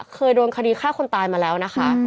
เคยโดนคดีฆ่าคนตายมาแล้วนะคะ